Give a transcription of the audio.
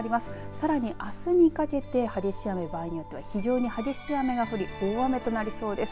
さらにあすにかけて激しい雨場合によっては非常に激しい雨が降り大雨となりそうです。